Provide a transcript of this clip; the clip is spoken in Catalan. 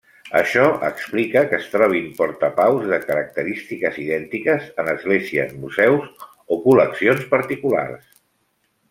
Això explica que es trobin portapaus de característiques idèntiques en esglésies, museus o col·leccions particulars.